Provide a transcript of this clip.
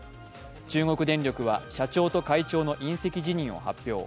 中国電力は社長と会長の引責辞任を発表。